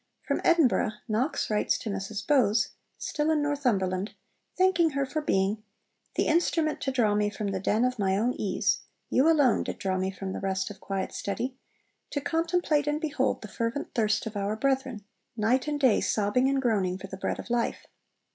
From Edinburgh Knox writes to Mrs Bowes (still in Northumberland), thanking her for being 'the instrument to draw me from the den of my own ease (you alone did draw me from the rest of quiet study) to contemplate and behold the fervent thirst of our brethren, night and day sobbing and groaning for the bread of life.